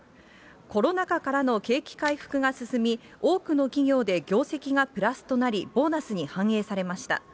コロナ禍からの景気回復が進み、多くの企業で業績がプラスとなり、ボーナスに反映されました。